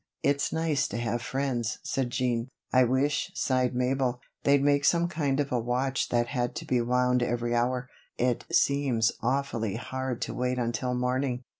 "It's nice to have friends," said Jean. "I wish," sighed Mabel, "they'd make some kind of a watch that had to be wound every hour; it seems awfully hard to wait until morning."